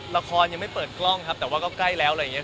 ละครยังไม่เปิดกล้องครับแต่ว่าก็ใกล้แล้วอะไรอย่างนี้